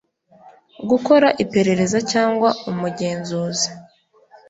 gukora iperereza cyangwa umugenzuzi